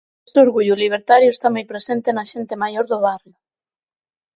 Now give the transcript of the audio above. E ese orgullo libertario está moi presente na xente maior do barrio.